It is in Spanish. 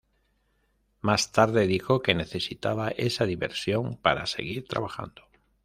Más tarde dijo que necesitaba esa diversión para seguir trabajando.